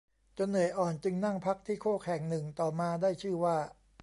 จนเหนื่อยอ่อนจึงนั่งพักที่โคกแห่งหนึ่งต่อมาได้ชื่อว่า